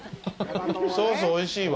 ソースおいしいわ。